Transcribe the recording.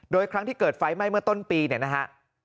โดยครั้งที่เกิดไฟไหม้เมื่อต้นปีเนี่ยนะฮะ